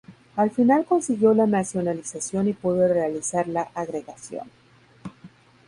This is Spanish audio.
Al final consiguió la nacionalización y pudo realizar la agregación.